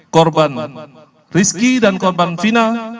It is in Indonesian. korban rizky dan korban vina